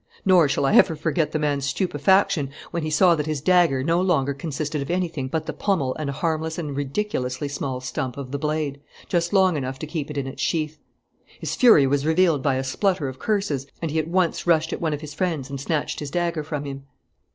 Nor shall I ever forget the man's stupefaction when he saw that his dagger no longer consisted of anything but the pommel and a harmless and ridiculously small stump of the blade, just long enough to keep it in its sheath. His fury was revealed by a splutter of curses and he at once rushed at one of his friends and snatched his dagger from him.